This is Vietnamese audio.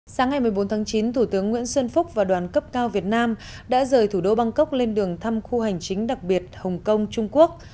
sáng ngày một mươi bốn tháng chín thủ tướng nguyễn xuân phúc và đoàn cấp cao việt nam đã rời thủ đô bangkok lên đường thăm khu hành chính đặc biệt hồng kông trung quốc